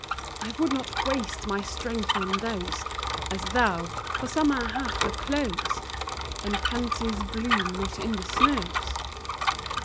I would not waste my strength on those, As thou,—for summer hath a close, And pansies bloom not in the snows.